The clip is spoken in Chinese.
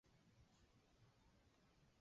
千里驹十五岁跟随扎脚胜到越南演出。